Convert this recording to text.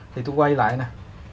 thì tôi quay lại nè